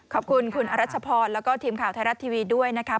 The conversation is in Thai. ขอบคุณคุณอรัชพรแล้วก็ทีมข่าวไทยรัฐทีวีด้วยนะครับ